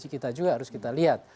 kita juga harus kita lihat